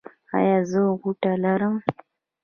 ایا زه غوټه لرم؟